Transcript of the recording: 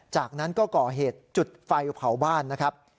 จากนั้นก็ก่อเหตุจุดไฟเผาบ้านนะครับ